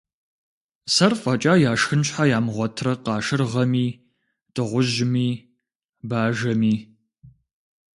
Сэр фӀэкӀа яшхын щхьэ ямыгъуэтрэ къашыргъэми, дыгъужьми, бажэми?